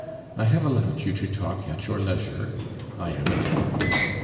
I have allowed you to talk at your leisure; I am at home.